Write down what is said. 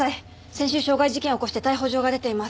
先週傷害事件を起こして逮捕状が出ています。